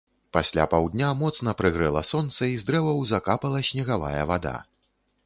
Пасля паўдня моцна прыгрэла сонца, і з дрэваў закапала снегавая вада.